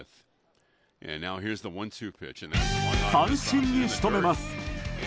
三振に仕留めます。